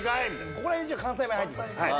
ここらへん関西弁入ってきます